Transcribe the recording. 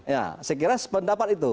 ya sekiranya pendapat itu